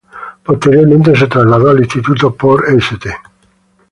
Posteriormente se trasladó al Instituto Port St.